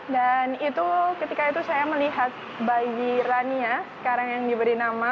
dan itu ketika itu saya melihat bayi rania sekarang yang diberi nama